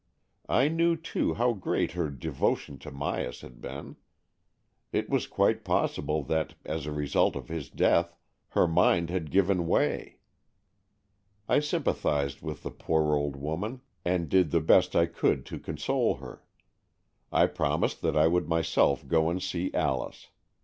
I knew, too, how great her devotion to Myas had been. It was quite possible that, as a result of his death, her mind had given way. I sympathized with the poor old woman, and did the best I could to console her. I promised that I would myself go and see Alice.